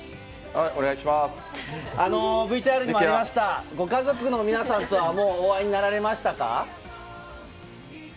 ＶＴＲにもありました、ご家族の皆さんとは、もうお会いになられましたか？